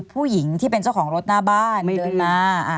ผู้หญิงที่เป็นเจ้าของรถหน้าบ้านเดินมา